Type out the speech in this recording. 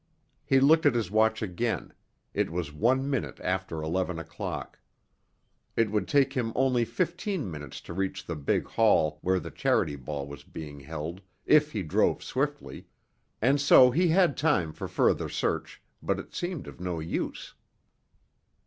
He looked at his watch again—it was one minute after eleven o'clock. It would take him only fifteen minutes to reach the big hall where the Charity Ball was being held if he drove swiftly, and so he had time for further search, but it seemed of no use.